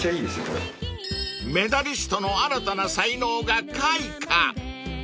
［メダリストの新たな才能が開花］